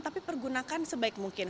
tapi pergunakan sebaik mungkin